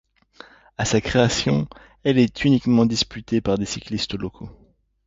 À sa création, elle est uniquement disputée par des cyclistes locaux..